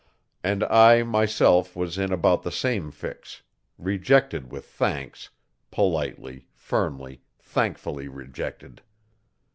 And I, myself, was in about the same fix rejected with thanks politely, firmly, thankfully rejected.